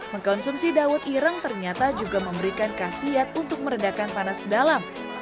mengkonsumsi dawet ireng ternyata juga memberikan khasiat untuk meredakan panas dalam